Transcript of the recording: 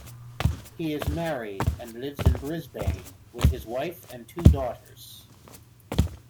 He is married and lives in Brisbane with his wife and two daughters.